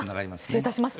失礼いたします。